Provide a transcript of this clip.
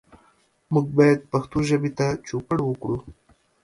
موږ باید پښتو ژبې ته چوپړ وکړو.